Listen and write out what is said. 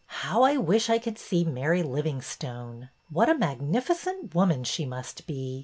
How I wish I could see Mary Livingstone! What a magnifi cent woman she must be!